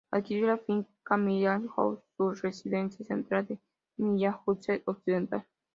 Adquirió la finca ""Milland House"", su "residencia central" en Milland, Sussex Occidental.